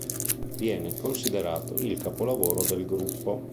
Viene considerato il capolavoro del gruppo.